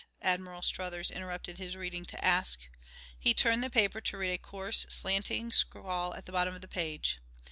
Admiral Struthers interrupted his reading to ask. He turned the paper to read a coarse, slanting scrawl at the bottom of the page.